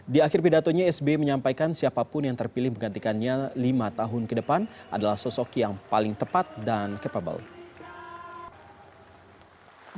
di akhir pidatonya sbi menyampaikan siapapun yang terpilih menggantikannya lima tahun ke depan adalah sosok yang paling tepat dan capable